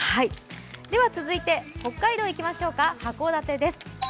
続いて北海道いきましょうか函館です。